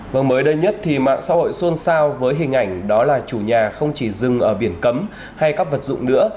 vâng mới đây nhất thì mạng xã hội xuân sao với hình ảnh đó là chủ nhà không chỉ rừng ở biển cấm hay các vật dụng nữa